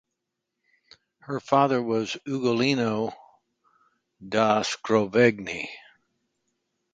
Her father was Ugolino da Scrovegni.